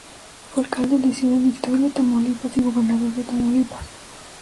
Fue alcalde de Ciudad Victoria, Tamaulipas, y gobernador de Tamaulipas.